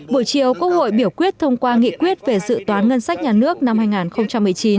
buổi chiều quốc hội biểu quyết thông qua nghị quyết về dự toán ngân sách nhà nước năm hai nghìn một mươi chín